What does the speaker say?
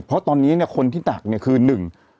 เพราะตอนนี้คนที่หนักคือหนึ่ง